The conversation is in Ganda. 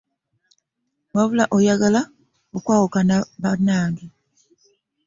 Wabula oyagala okuwakana banange.